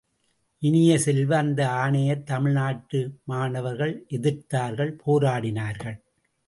இனிய செல்வ, அந்த ஆணையத் தமிழ்நாட்டு மாணவர்கள் எதிர்த்தார்கள் போராடினார்கள்.